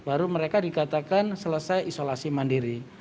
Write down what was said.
itu akan selesai isolasi mandiri